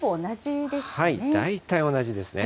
大体同じですね。